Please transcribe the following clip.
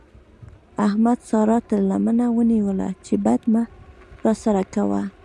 احمد سارا تر لمنه ونيوله چې بد مه راسره کوه.